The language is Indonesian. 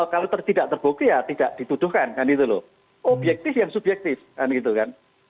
kalau tidak terbukti ya tidak dituduhkan kan itu loh objektif yang subjektif kan gitu kan